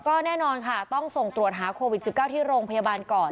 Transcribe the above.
ก็แน่นอนค่ะต้องส่งตรวจหาโควิด๑๙ที่โรงพยาบาลก่อน